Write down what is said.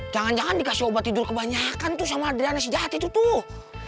jangan jangan dikasih obat tidur kebanyakan tuh sama adriana si jahat itu tuh